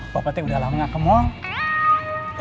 bapak petik udah lama gak ke mall